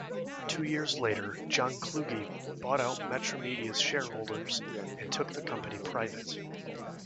Two years later, John Kluge bought out Metromedia's shareholders and took the company private.